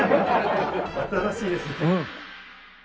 新しいですね。